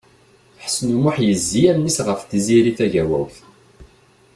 Ḥsen U Muḥ yezzi allen-is ɣef Tiziri Tagawawt.